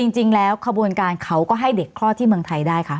จริงแล้วขบวนการเขาก็ให้เด็กคลอดที่เมืองไทยได้คะ